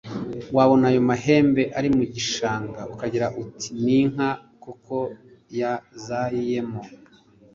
wabona ayo mahembe ari mu gishanga ukagira uti ni inka koko yazayiyemo